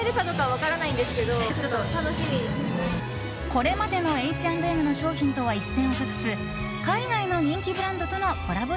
これまでのＨ＆Ｍの商品とは一線を画す海外の人気ブランドとのコラボ